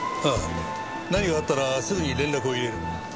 ああ何かあったらすぐに連絡を入れる。